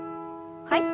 はい。